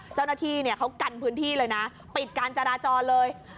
เจ้าหน้าที่เขากันพื้นที่เลยนะปิดการจราจรเลย